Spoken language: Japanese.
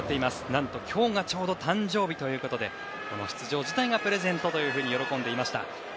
何と今日がちょうど誕生日ということでこの出場辞退がプレゼントというふうに喜んでいました。